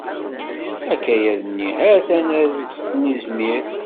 Akayad-nni hatan ad-s nizmir.